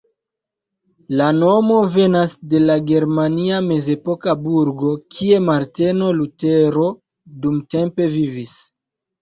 La nomo venas de la germania mezepoka burgo, kie Marteno Lutero dumtempe vivis.